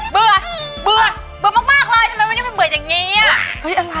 เบื่อเบื่อเบื่อมากแล้วทำไมมันยังเป็นเบื่ออย่างนี้